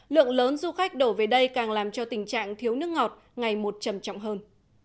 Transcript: lượng lớn du khách đổ về đây càng làm cho tình trạng thiếu nước ngọt ngày một trầm trọng hơn